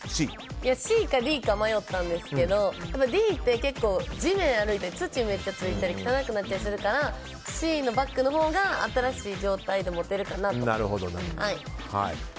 ＣかＤか迷ったんですけどＤって、地面を歩いて土がめっちゃついたり汚くなっちゃってるだろうからＣのバッグのほうが新しい状態で持てるかなと。